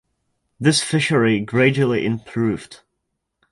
This fishery gradually improved.